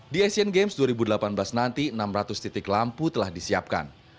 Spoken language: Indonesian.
di asian games dua ribu delapan belas nanti enam ratus titik lampu telah disiapkan